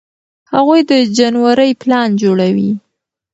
هغوی د جنورۍ پلان جوړوي.